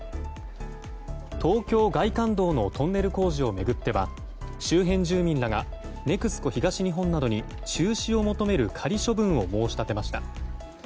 東京外環道のトンネル工事を巡っては周辺住民らがＮＥＸＣＯ東日本などに中止を求める仮処分を申し立てました。